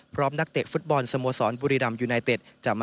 นักเตะฟุตบอลสโมสรบุรีรำยูไนเต็ด